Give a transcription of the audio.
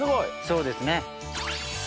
そうですね。